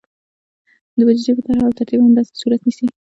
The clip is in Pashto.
د بودیجې طرحه او ترتیب همداسې صورت نیسي.